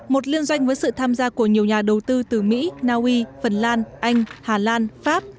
một liên doanh với sự tham gia của nhiều nhà đầu tư từ mỹ naui phần lan anh hà lan pháp